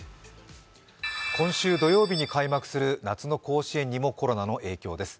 今週土曜日に開幕する夏の甲子園にもコロナの影響です。